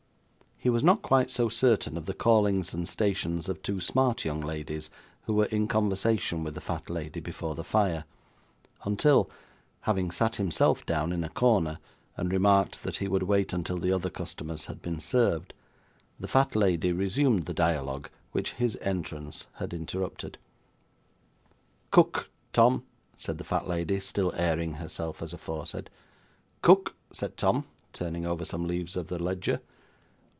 He was not quite so certain of the callings and stations of two smart young ladies who were in conversation with the fat lady before the fire, until having sat himself down in a corner, and remarked that he would wait until the other customers had been served the fat lady resumed the dialogue which his entrance had interrupted. 'Cook, Tom,' said the fat lady, still airing herself as aforesaid. 'Cook,' said Tom, turning over some leaves of the ledger.